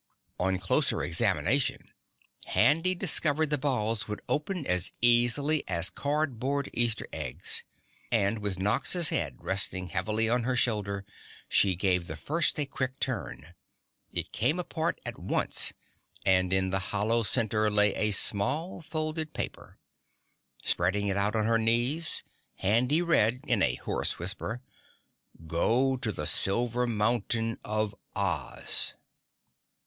On closer examination Handy discovered the balls would open as easily as cardboard Easter eggs, and with Nox's head resting heavily on her shoulder she gave the first a quick turn. It came apart at once and in the hollow center lay a small folded paper. Spreading it out on her knees, Handy read in a hoarse whisper: "Go to the Silver Mountain of OZ."